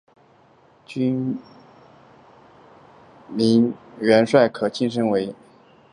军兵种元帅可被晋升为军兵种主帅。